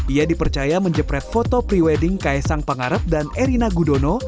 ia dipercaya menjepret foto pre wedding kaisang pangarep dan erina gudono